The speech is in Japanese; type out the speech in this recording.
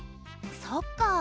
そっかあ。